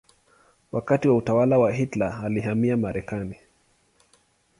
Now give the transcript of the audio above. Wakati wa utawala wa Hitler alihamia Marekani.